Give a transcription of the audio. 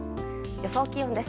予想気温です。